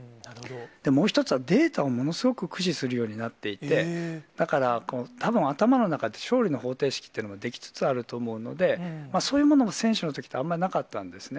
もう１つはデータをものすごく駆使するようになっていて、だから、たぶん、頭の中で勝利の方程式というのが出来つつあると思うので、そういうものも選手のときって、あんまりなかったんですね。